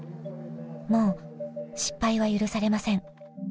もう失敗は許されません。